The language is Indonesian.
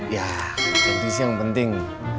ya kondisi yang penting